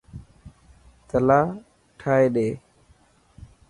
تلا ٺائي ڏي.